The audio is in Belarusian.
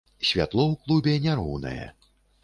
Святло ў клубе няроўнае.